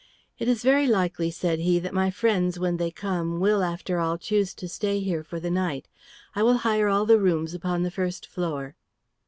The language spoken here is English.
"It is very likely," said he, "that my friends when they come will, after all, choose to stay here for the night. I will hire all the rooms upon the first floor."